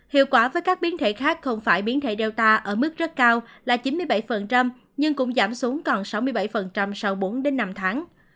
hiệu quả với các biến thể khác không phải biến thể data ở mức rất cao là chín mươi bảy nhưng cũng giảm xuống còn sáu mươi bảy sau bốn đến năm tháng